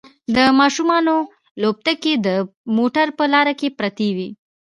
د ماشومانو لوبتکې د موټر په لاره کې پرتې وي